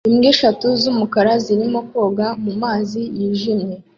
imbwa eshatu z'umukara zirimo koga mu mazi yijimye